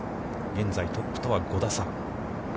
現在トップとは５打差。